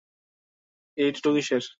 এই ট্যাটু কীসের?